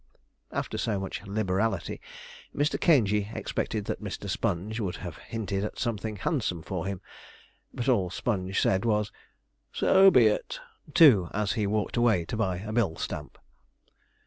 After so much liberality, Mr. Caingey expected that Mr. Sponge would have hinted at something handsome for him; but all Sponge said was, 'So be it,' too, as he walked away to buy a bill stamp.